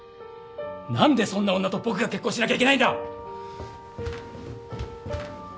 何でそんな女と僕が結婚しなきゃいけないんだ！